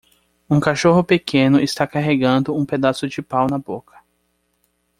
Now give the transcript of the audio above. Um cachorro pequeno está carregando um pedaço de pau na boca.